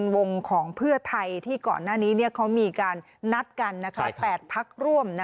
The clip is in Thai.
วงของเพื่อไทยที่ก่อนหน้านี้เขามีการนัดกัน๘พักร่วม